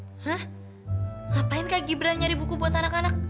hah ngapain kak gibran nyari buku buat anak anak